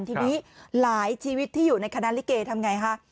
ทีนี้หลายชีวิตที่อยู่ในคณะลิเกทำไงคะ